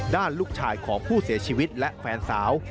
ลูกชายของผู้เสียชีวิตและแฟนสาว